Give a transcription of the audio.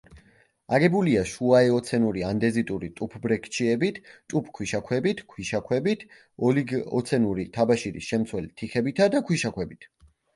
აგებულია შუაეოცენური ანდეზიტური ტუფბრექჩიებით, ტუფ-ქვიშაქვებით, ქვიშაქვებით, ოლიგოცენური თაბაშირის შემცველი თიხებითა და ქვიშაქვებით.